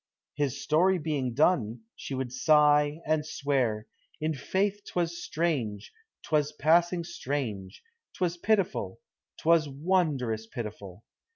His story being done, she would sigh, and swear, "in faith, 'twas strange 'twas passing strange; 'twas pitiful 'twas wondrous pitiful!"